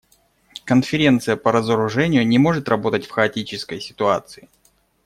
Конференция по разоружению не может работать в хаотической ситуации.